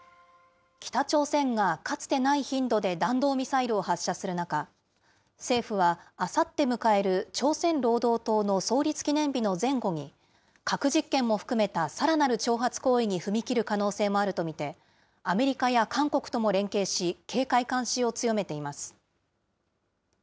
北朝鮮がかつてない頻度で弾道ミサイルを発射する中、政府はあさって迎える朝鮮労働党の創立記念日の前後に、核実験も含めたさらなる挑発行為に踏み切る可能性もあると見て、アメリカや韓国とも連携し、警戒監視を強めています。